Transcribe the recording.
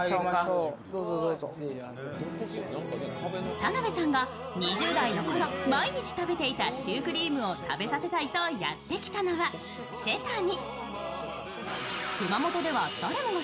田辺さんが２０代の頃、毎日食べていたシュークリームを食べさせたいとやってきたのはシェ・タニ。